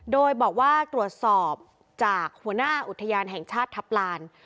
โดยบอกว่าตรวจสอบจากหัวหน้าอุทยานแห่งชาติทัพลาน